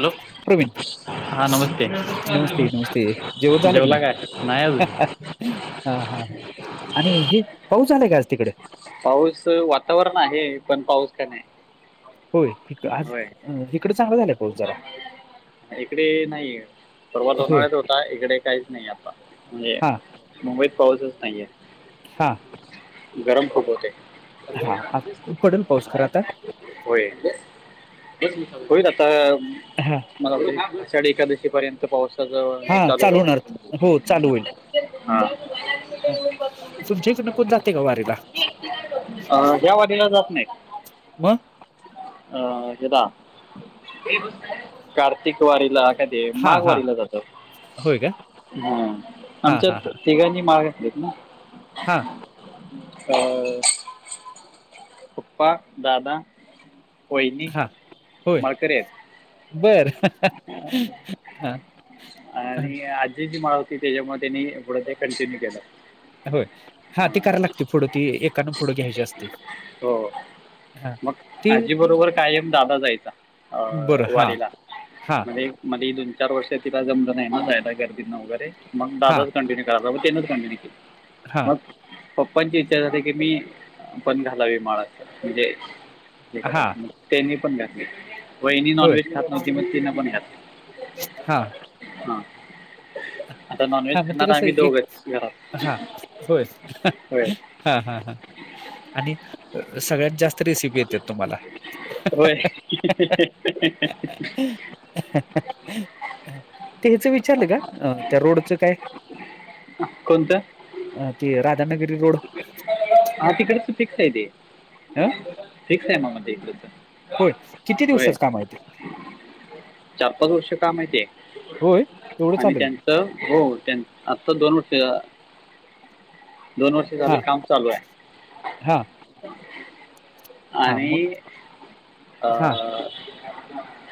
Hello Praveen हां नमस्ते जेवलास काय नमस्ते नमस्ते जेवण नाही? झालं की जेवला नाही काय? नाही आजून. [inaudible] हा- हा -हा आणि हे पाऊस झालाय काय आज तिकड? पाऊस, वातावरण आहे पण पाऊस काय नाही. होय आज, होय अं.. हिकडं चांगला झालंय पाऊस जरा. इकडे नाही परव दोन होय वेळच होता इकडे काहीच नाही आता म्हणजे हा मुंबईत पाऊसच नाहीये हा गरम खूप होते. हा पडेल पाऊस खरं आता. होय. होईल आता हा मला साडे एकादशी पर्यंत. पावसाच हे हा चालू आहे. होणार ह तुमच्या इकडनं कोण जाते ग वारीला. अ ह्या वाडीीला जात नाही. म. हा ह कार्तिक वारला. काय ते हा माघ हा वारीला जात. होय का हा हा आमच्या हा हा तिघांनी माग असलीत ना. हा. हाव [inaudible] पपा, दादा वहिनी हा, होय माळकरी आहेत बर [inaudible] [inaudible] हा आणि आजी जी मत ते, त्याच्यामुळे त्यांनी पुढे ते कंटिन्यू केलं. होय हा तेी करायला लागते पुढं ती एकान पुढं घ्यायची असती. हो. मग आजी बरोबर काय आहे दादा जायचा अ बरं हा वारीला. हा दोन चार वर्ष ति जम नाही नाय गर्दी वगरे मग हां, दादाच कंटिन्य. त्यांच क हां, मग. पप्पांची इच्छा झाते की मी आपण घालावी माळा अस म्हणजे. हां. तेनी पण घातली वहिणी होय. नॉनव्हेज खात नव्हती मग तिन पण खातली. हा. ह. हा मग ते कसं एक घरात हा होय होय हा हा हा.. आणि सगळ्यात जास्त रेसिपी येते तुम्हाला. होय. ते हच विचारलं का त्या रोडचं काय. कोणतं. अ ते राधानगरी रोड. हा तिकडच फिक्स आहे ते अ, फिक्स आहे म म तिकड. होय किती दिवसात काम माहिय? चार पाच वर्ष कामहिती होय, एवढं आणि चालेल? त्यां हो त्यां आता दोन वर्ष. दोन वर्ष झालं हां, काम चालू आहे. हां, हां. मग आणि अ हां.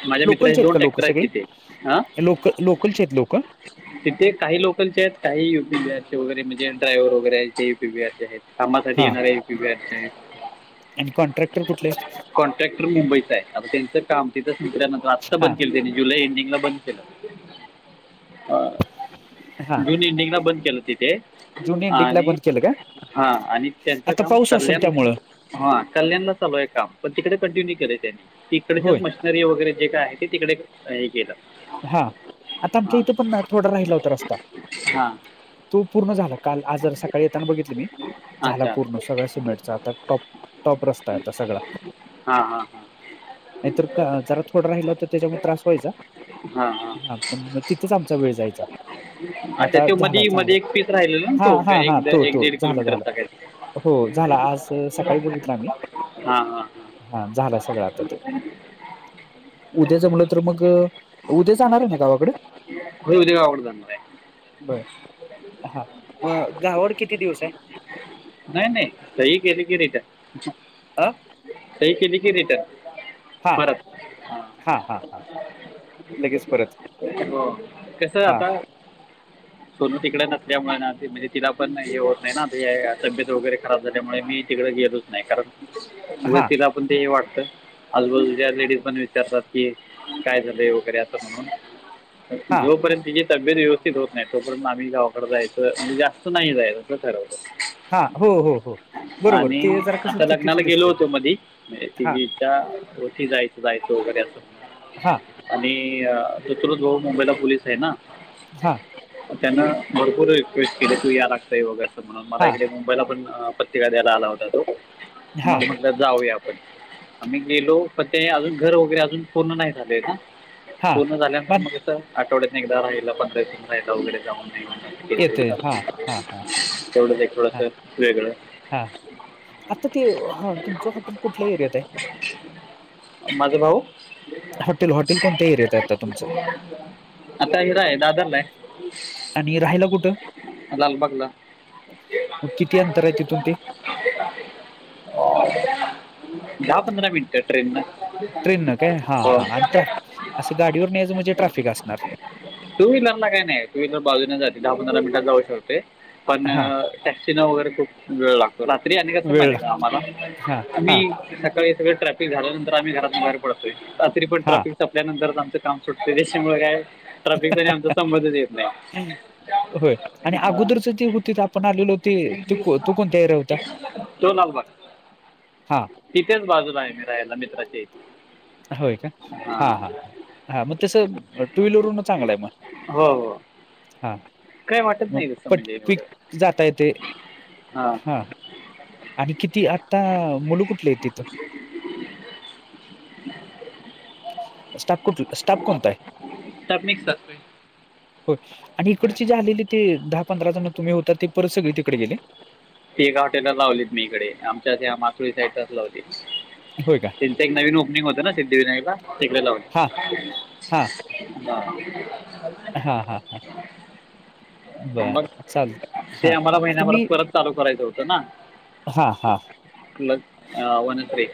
माझ्या मित्राशी लोकलचे दोन का लोकं ट्रॅक्टर आहेत सगळी? तिथे ह लोक लोकलचे आहेत लोकं? तिथे काही लोकलचे आहेत काही युपीबीआर चे वगैरे म्हणजे डायव्हर वगैरे आहेत ते यपीबीआरचे आहेत. सम साटी हां. न यप पयारच. आणि कॉन्ट्रॅक्टर कुठले आहेत. कॉन्ट्रॅक्टर मुंबईचं आहे आता त्यांचं काम तिथंच निघल्यानंतर आत्ता हां, बंद केलं त्यांनी. जुलै एंडिंगला बंद केलं हा. हां. जून एंडिंगला बंद केलं तिथे जून एंडिंगला आणि, बंद केलं का? हा आणि त्यांचं आता काम पाऊस असेल कल्याण त्यामुळं? हा कल्याणला चालू आहे काम पण तिकडे कंटिन्यू केलंय त्यांनी तिकडेच होय. मशन वगैरे जे आहे ते तिकडे केल. हा आता आमच्या इथू पण थोडा राहिला होता रस्ता. हां तो पूर्ण झाला काल आज जरा सकाळी येताना बघितलं मी. झाला अच्छा पूर्ण सगळ्या सिमेंटचा आता टॉप टॉप रस्ता आता सगळा. हा हा हा.. नाहीतर क जरा थोडं राहिला तर त्याच्यामुळे त्रास व्हायचा. हां हां हा पण मग तिथेच आमचा वेळ जायचा. अच्छा आता त्यो झाला मधी चांगला मध्ये एक पीस राहिलेला ना हा तो हा हा एक तो तो दीड झाला झाला किलोमीटरचा काहीत. हो झाला आज सकाळी बघितला आम्ही हा हा हा झाला सगळा आता तो उद्या जमलं तर मग उद्या जाणारेना गावाकड होय उद्या गावाकड जाणारय. बर हा मग गावाकड किती दिवसय. नाही नाही सही केली की रिटन आ सही केली कि रिटन परत हा हा हा हा लगेच परत हो कस हा आता [inaudible] सोनू तिकडे नसल्यामुळे ना म्हणजे तिला पण हे होत नाही ना तब्येत वगैरे खराब झाल्यामुळे मी तिकड गेलोच नाही कारण हा उगाच तिला पण ते हे वाटतं आजूबाजूच्या लेडीज पण विचारतात की काय झालंय वगैरे आता म्हणून हा जोपर्यंत तिजी तब्येत व्यवस्थित होत नाही तोपर्यंत आम्ही गावाकड जायाच म्हणजे जास्त नाही जायाच असं ठरवलं. हा हो हो हो बरोबर आणि ते जरा कसं आता चुकीचं लग्नाला गेलो दिसते होतो मधी म्हजे हा तिजी [unintelligible] जायचं जायचं वगैरे असं हा आणि तो चुलत भाऊ मुंबईला पोलीसय ना हा त्यांन भरपूर रिक्वेस्ट केली तू या लागताय वगैरे असं म्हणून मला हा इकडे मुंबईला पण शिव्या द्याला आला होता तो हा मग म्हटलं जाऊया आपण आम्ही गेलो. ते अजून घर वगैरे अजून पूर्ण नाही झालंय ना हा पूर्ण झाल्यानंतर पण मग कसं आठवड्यात एकदा राहिलं पंधरा [unintelligible] वगैरे जाऊन येते हा [unintelligible] हा हा तेवढंच एक थोडस हा वेगळं हा आता ते हा तुमचं हॉटेल कुठल्या एरियातय. माझा भाऊ हॉटेल हॉटेल कोणत्या एरियातय आता तुमचं आता इकडय दादरलाय. आणि राहायला कुठं लालबागला मग किती अंतराय तिथून ते दहा पंधरा मिनट ट्रेनन ट्रेन न काय हा हा अन ट्र्या असं गाडीवरन यायचं म्हणजे ट्रॅफिक असणार टू व्हीलरला काय नाही टू व्हीलर बाजूने जातील दहा पंधरा मिनटात जाऊ शकतोय पण हा टॅक्सीन वगैरे खूप वेळ लाग रात्री आणि कसं वेळ माहिते लागत का आम्हाला हा आम्ही हा सकाळी सगळे ट्रॅफी ते झाल्यानंतर आम्ही घरातून बाहेर पडतोय रात्री पण हा ट्राफिक संपल्यानंतरच आमचं काम सुटतय त्याच्यामुळे काय ट्राफिकचा आणि आमचा संबंधच येत नाही. होय आणि हां अगोदरच ते होतीत आपण आलेलो ते तो कोणता एरिया हो तो लालबाग हा तिथेच बाजूला आहे मी राहायला मित्राच्या इथ होय का हा हा हा मग तस टू व्हीलरून चांगलंय मग हो हो हा काय वाटत मग नाही तसं पट म्हणजे एवढं क्विक जाता येतंय हां हा आणि किती आता मुलं कुठलीयत तिथं [inaudible] स्टाप कुठ स्टाप कोणताय. टप मिक्स असतोय होय आणि इकडचे जे आलेले ते दहा पंधरा जण तुम्ही होता ते परत सगळी तिकडे गेले. ती एक हॉटेल लावलीत मी इकडे आमच्या त्या मासुळी साईलाच लावलीत. होय का? एक नवीन ओपनिंग होत ना सिद्धिविनायकला तिकडे लावून. हां ह [unintelligible] हा हा हा मग बरं चालेल ते हा आम्हाला आता महिन्याभरात मी. परत चालू करायचं होत ना हां हां पल वन्री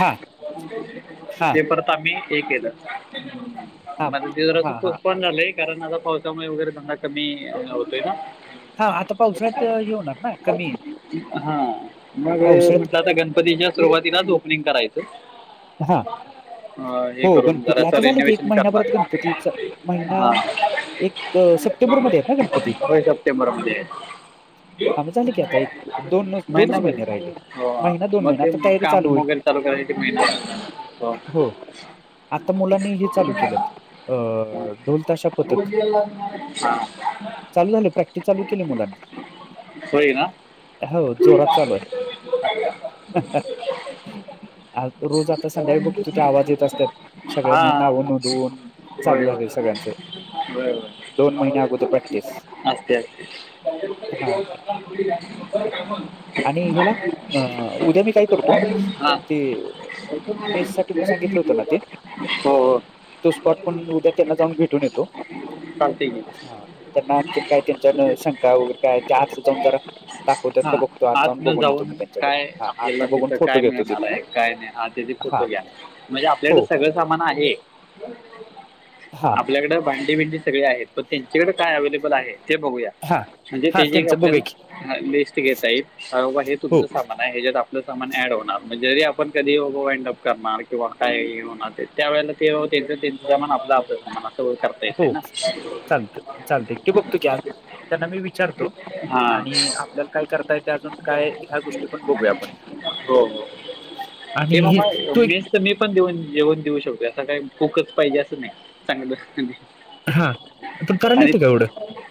हां हां ते परत आम्ही हे केलं. हां माझ् जरासं हां हां पोसपॉन हां पण झालाय कारण आता पावसामुळे वगैरे धंदा कमी होतोय ना.. हा आता पावसाळ्यात हे होणार ना कमी.. हा मग पावसाळ्यात म्हटलं आता गणपतीच्या सुरुवातीलाच ओपनिंग करायचं. हां ह हे हो करून गणपती जरास आता झाले की एक रीनोएशन करणार. महिनाभरात गणपतीचा महिना हा एक सप्टेंबर मध्ये होय सप्टेंबर मध्ये आहे. ह [inaudible] हा म झाले की आता एक दोन दोनच महिनाभर महिने राहिले हो महिना दोन मग महिने ते आता तयारी चालू काम होईल. वगैरे चालू कराय महि हो आता मुलांनी हे चालू केलेत अ होय ढोल ताशा पथक [unintelligible] चालू झाले प्रॅक्टिस चालू केली मुलांनी होय ना. हो जोरात चालू आ रोज आता संध्याकाळी बघ तुथ आवाज येत असतात हा सगळ्यांनी हा. नावून उधुवून चालू होय होय झाले सगळ्यांच होय होय दोन महिने अगोदर प्रॅक्टिस असते असते हा [unintelligible] आणि ह्याला अ उद्या मी काय करतो हा ते मीस साठी सांगितलं होतं ना ते. हो हो तो स्पॉट पण उद्या त्यांना जाऊन भेटून येतो चालते की ह त्यांना काय त्यांच्यान शंका वगैरे काय त्या हात जाऊन जरा दाखवतात हा का बघतो आत आज न बघून येतो जाऊन मी त्यांच्याकडे काय हा आपल्याला आतन बघून तिथं फोटो काय घेतो मिळणार तिथनं आहे काय नाही आ हा घ्या म्हणजे आपल्याकड हो सगळं सामान आहे. हा आपल्याकडें भांडी भिंडी सगळे आहेत पण त्यांच्याकडे काय अव्लेबल आहे ते बघूया. हा म्हणजे हा ते जे एक त्यांचं बघूया की आपल्याला लिस्ट घेता येईल हबा हे हो तुमचं सामान. ह्याच्यात आपलं सामान ऍड होणार म्हणजे जरी आपण कधी वाइंड अप करणार किंवा काय होणार. त्या वेळेला तेनन आपलं आपला.. हो चालत चालत एकटे बघतो की त्यांना मी विचारतो. हां आणि आपल्याला काय करताय ते अजून काय ह्या गोष्टी पण बघूया आपण हो हो. आणि हे मामा तू एक मेस मी पण देऊन येऊन देऊ शकतो असं काही कुकच पाहिजे असं नाही चांगलं हा पण करायला आणि येतं का एवढं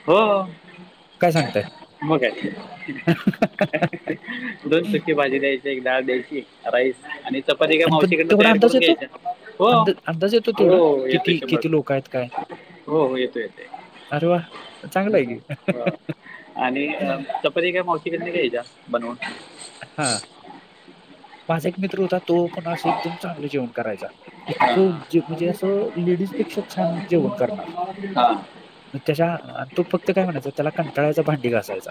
हो काय सांगताय मग दोन सुकी भाजी द्यायची एक डाळ द्यायची राईस आणि, चपाती का आणि पण मावशीकडे तेवढा तयार अंदाज करून येतो घ्यायच्या हो अंदा अंदाज येतो तेवढा, हो येतोय किती किती शंभरुपे. लोकं आहेत काय? हो हो येतो येतो. अरे व्वा. आणि चपती काय मावशीक घ्यायच्या बनव हा माझा एक मित्र होता तो पण असं एकदम चांगलं जेवण करायचा. हां इतकं म्हणजे असं लेडीज पेक्षा छान जेवण करणार. हा. ग त्याच्या तो फक्त काय म्हणायचा त्याला कंटाळायचा भांडी घासाायचा.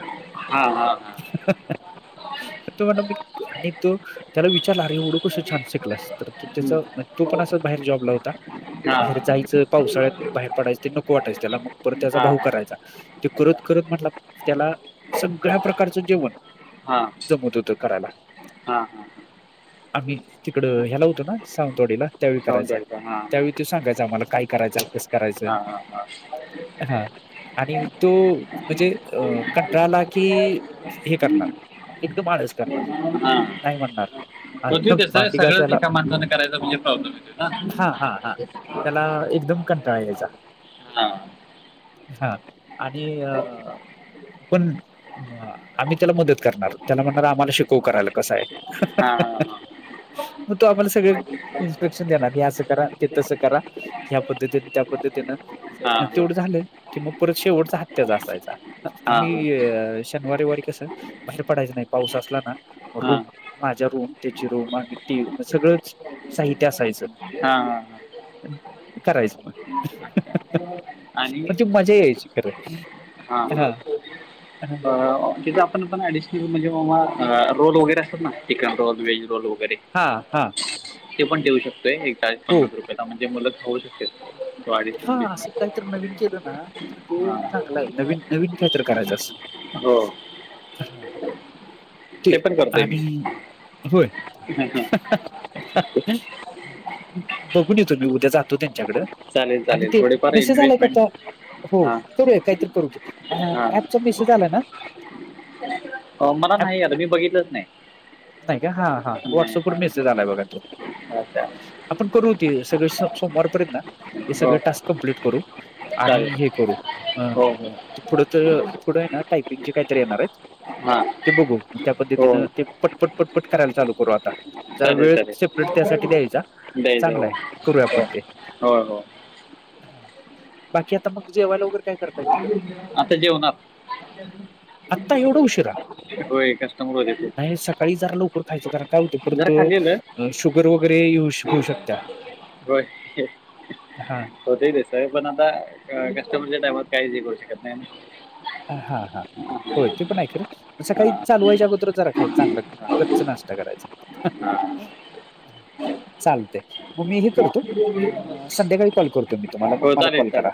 हो. तो म्हण मी आणि तू त्याला विचारलं अरे एवढं कसं छान शिकलस तर त्या तो पण अस बाहेर जॉबला होता. हां हां बाहेर जायचं पावसाळ्यात बाहेर पडायच ते नको वाटायं त्याला मग परत त्याचा हां भाऊं हां करायचा ते अच्छा करत करत म्हटला त्याला सगळ्या प्रकारचं जेवण हां जमत होत कराला हां हां आम्ही तिकड ह्याला होतो ना सावंतवाडीला त्यावेळी करायचा सावंतवाडीचा त्यावेळी त्यो सांगायच आम्हाला काय करायचा कस हा हा हा आणि तो म्हणजे अ कंटाळला की हे करणार एकदम आळस करणार नाय म्हणणार असं बदलीत कस भांडी सगळंच घासायला एका माणसान करायच म्हणजे प्रॉब्लेम येतोय हा हा हा ना- त्याला एकदम कंटाळा यायचा. हां हा आणि अ पण म आम्ही त्याला मदत करणार त्याला म्हणणार आम्हाला शिकव करायला कसं हाय हां म तो आम्हाला सगळ इन्स्पेक्शन देणार हे असं करा ते तसं करा ह्या पद्धतीन त्या हां पद्धतीनं तेवढं झालं की म परत शेवटचा हात त्याचा असायचा. हां हां हां आम्ही शनवाररविवारी कस बाहेर पडायचं नाय पाऊस असला ना म हां रूम हां माझ्या रूम त्याची रूम आम्ही तीन म सगळंच साहित्य असायचं. हां हां करायचं मग पण ती मजा यायची खरं हा हा हा अ तिथं आपण पण अडिशनल म्हणजे म मा अ रोल वगैरे असतात ना चिकन रोल व्हेज रोल व गैरे हा हा. ते पण ठेऊ शकतोय एक चाळीस हो पन्नास रुपयाला म्हणजे मुलं खाऊ शकत्यात. हा असंचं काहीतर नवीन केलं ना तर ते हां चांगलं हाय. नवीन नवीन कायतर करायच अस हो ते पण करतो आहे मी आणि होय. [unintelligible] बघून येतो मी उद्या जातो त्यांच्याकड चालेल आणि चालेल ते थोडेफार मेसेज आला एक इन्व्हेस्टमेंट आता हो हां करूया कायतर करू की अ हा हां अँप चा मेसेज आला ना अ मला नाही आला मी बघितलंच नाय नाय का हा हा व्हॉट्सअप वर मेसेज हां आलाय बघा तो अच्छा आपण करू ते सगळे स सोमवारपर्यंत ना हे सगळे हो टास्क कंप्लीट करू. आणि चालेल हे करू अ हो हो ते पुढं त पुढं हाय ना टायपिंग कायतरी येणार आहेत. हां ते बघू म त्या पद्धतीन हो ते पटपट पटपट करायला चालू करू आता. जरा वेळ सेपरेट त्यासाठी द्यायचा. दयायचा हो हो हो हो हा बाकी आता मग जेवायला वगैरे काय करताय तिथ आता जेवणात आत्ता एवढा उशिरा होय कस्टमर होते ते नाही सकाळी जरा लवकर खायचं कारण काय होतंय परत जरा खाली आलं अ शुगर वगैरे ये होऊ शकत्या. होय. हा होतय तसा पण आता कस्टमरच्या टाईमात काहीचं हे करू शकत नाय ना हा हा हा होय ते पण हाय खरं सकाळी हा. चालू व्हायच्या अगोदरचं जरा खाय चांगलं गच्च नाश्ता करायचा हं चालतय म मी हे करतो अ संध्याकाळी कॉल करतो मी तुम्हाला मग हो मला चालेल कॉल करा. चालेल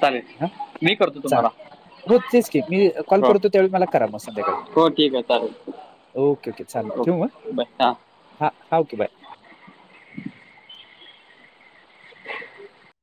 चालेल हां मी करतो चा तुम्हाला हो तेच की मी कॉल हो करतो त्यावेळी मला करा म संध्याकाळी हो ठीक आहे चालेल ओके ओके चालेलं ठेवू म ओके बाय हां हा हा ओके बाय. [inaudible]